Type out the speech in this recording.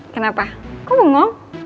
kenapa kok bengong